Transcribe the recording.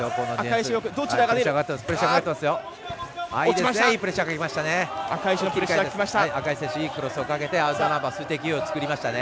いいプレッシャーをかけてきましたね。